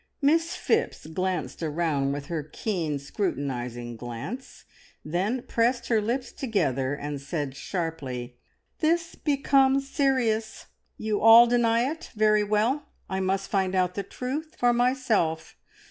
Miss Phipps glanced around with her keen, scrutinising glance, then pressed her lips together, and said sharply "This becomes serious! You all deny it? Very well, I must find out the truth for myself.